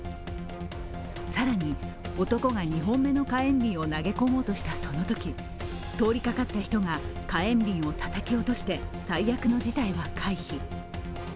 更に男が２本目の火炎瓶を投げ込もうとしたそのとき、通りかかった人が火炎瓶をたたき落として最悪の事態は回避。